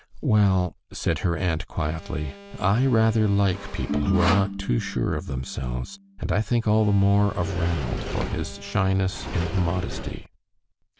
"Well," said her aunt, quietly, "I rather like people who are not too sure of themselves, and I think all the more of Ranald for his shyness and modesty."